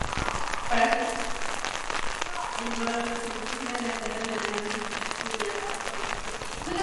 El proxenetismo era el acto de obtener ganancia por las acciones de la prostituta.